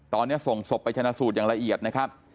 ตอนนี้ส่งศพไปชนะสูตรอย่างละเอียดนะครับ